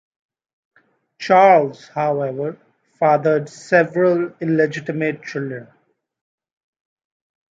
Charles however fathered several illegitimate children.